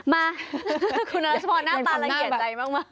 มาคุณรัชพรหน้าตาละเอียดใจมาก